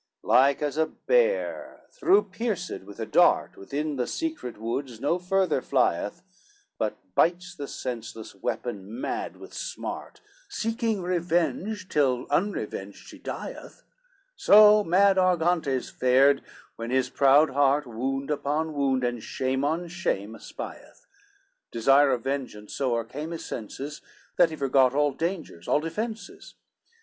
XLV Like as a bear through pierced with a dart Within the secret woods, no further flieth, But bites the senseless weapon mad with smart, Seeking revenge till unrevenged she dieth; So mad Argantes fared, when his proud heart Wound upon wound, and shame on shame espieth, Desire of vengeance so o'ercame his senses, That he forgot all dangers, all defences.